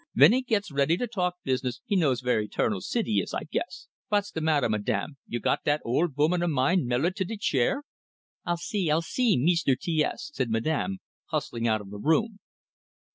Ven he gits ready to talk business, he knows vere Eternal City is, I guess. Vot's de matter, Madame, you got dat old voman o' mine melted to de chair?" "I'll see, I'll see, Meester T S," said Madame, hustling out of the room.